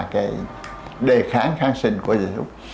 cái đề kháng kháng sinh của dạy súc